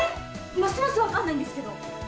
ますます分かんないんですけど！